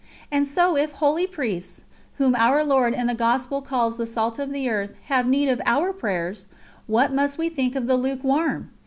And so if holy Priests, whom Our Lord in the Gospel calls the salt of the earth, have need of our prayers, what must we think of the lukewarm?